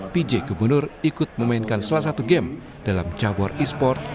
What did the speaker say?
pj gubernur ikut memainkan salah satu game dalam cabur e sport